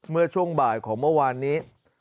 เมื่อช่วงบ่ายของเมื่อวานนี้